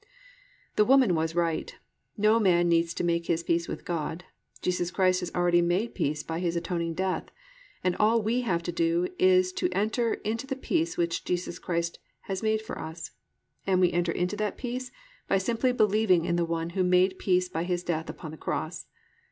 The woman was right: no man needs to make his peace with God, Jesus Christ has already made peace by His atoning death, and all we have to do is to enter into the peace which Jesus Christ has made for us, and we enter into that peace by simply believing in the One who made peace by His death upon the cross.